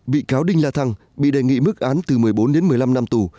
bị cáo đinh la thăng bị đề nghị mức án từ một mươi bốn đến một mươi năm năm tù